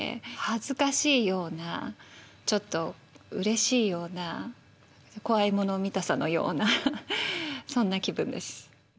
恥ずかしいようなちょっとうれしいような怖いもの見たさのようなそんな気分です。